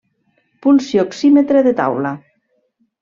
Pulsioxímetre de taula.